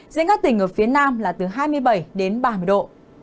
riêng các tỉnh ở phía nam là từ hai mươi bảy đến ba mươi độ